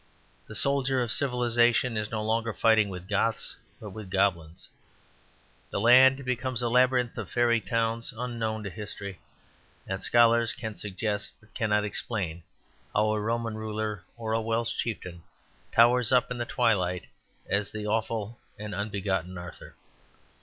The soldier of civilization is no longer fighting with Goths but with goblins; the land becomes a labyrinth of faërie towns unknown to history; and scholars can suggest but cannot explain how a Roman ruler or a Welsh chieftain towers up in the twilight as the awful and unbegotten Arthur.